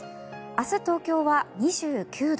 明日、東京は２９度。